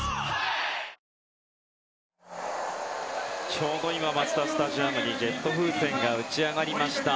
ちょうど今マツダスタジアムにジェット風船が打ち上がりました。